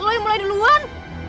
lu yang mulai duluan